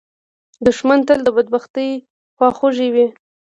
دښمن تل د بدبختۍ خواخوږی وي